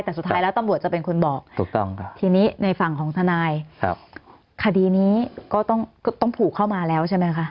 แต่สุดท้ายแล้วตำรวจจะเป็นคนบอกทีนี้ในฝั่งของทนายคดีนี้ก็ต้องผูกเข้ามาแล้วใช่ไหมคะ